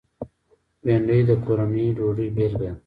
بېنډۍ د کورني ډوډۍ بېلګه ده